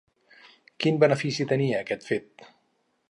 Quin benefici tenia aquest fet?